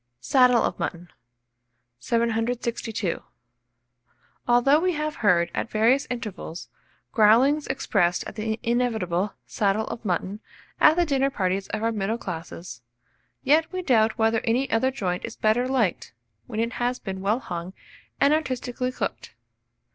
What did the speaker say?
SADDLE OF MUTTON. [Illustration: SADDLE OF MUTTON.] 762. Although we have heard, at various intervals, growlings expressed at the inevitable "saddle of mutton" at the dinner parties of our middle classes, yet we doubt whether any other joint is better liked, when it has been well hung and artistically cooked.